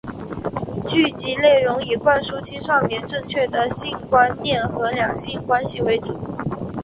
剧集内容以灌输青少年正确的性观念和两性关系为主。